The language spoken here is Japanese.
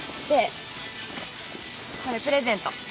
でこれプレゼント。